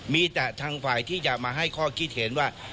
มีแต่ทางฝ่ายที่จะมาให้ข้อคิดเห็นว่า